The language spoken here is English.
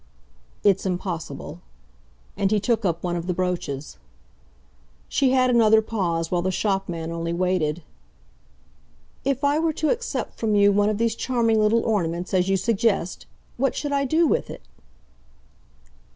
"It's impossible." And he took up one of the brooches. She had another pause, while the shopman only waited. "If I were to accept from you one of these charming little ornaments as you suggest, what should I do with it?"